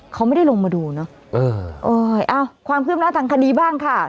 เขาไม่ได้ลงมาดูเนอะเออโอ้ยอ้าวความคืบหน้าทางคดีบ้างค่ะ